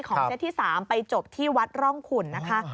เซตที่๓ไปจบที่วัดร่องขุนนะคะ